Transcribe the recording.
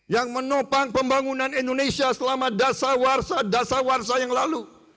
yang menopang pembangunan indonesia selama dasar warsa dasar warsa yang lalu